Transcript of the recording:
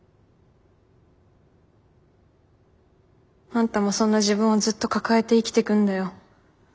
あんたもそんな自分をずっと抱えて生きてくんだよ。